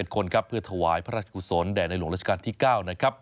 คนครับเพื่อถวายพระราชกุศลแด่ในหลวงราชการที่๙นะครับ